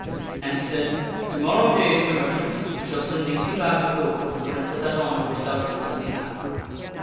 And he said, " To morrow day, Sir Merchant, I shall send thee two bags of gold for the rent of that armor which thou didst let me have."